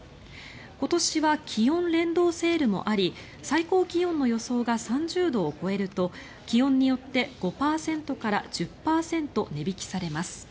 今年は気温連動セールもあり最高気温の予想が３０度を超えると気温によって５％から１０％値引きされます。